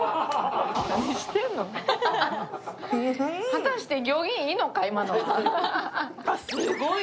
果たして行儀いいのかい？